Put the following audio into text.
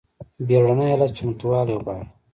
بیړني حالات چمتووالی غواړي